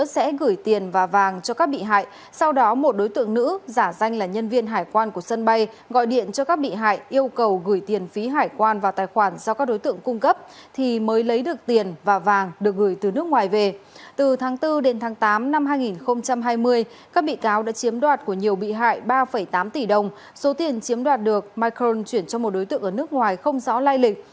số tiền chiếm đoạt được michael chuyển cho một đối tượng ở nước ngoài không rõ lai lịch